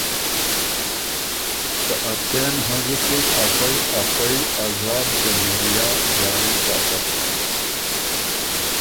که اڅېن هنزُکِن افئ ا خوئ آزاد جمهوریه جاري ساتک